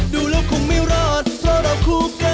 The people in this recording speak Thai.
ดูแล้วคงไม่รอดเพราะเราคู่กัน